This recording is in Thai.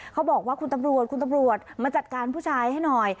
เขาบอกว่าคุณตำรวจมาจัดการผู้ชายให้หน่อย